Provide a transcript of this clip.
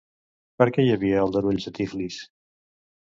Per què hi havia aldarulls a Tiflis?